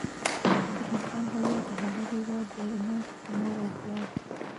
د انسان هویت د هغه هيواد دی نه مور او پلار.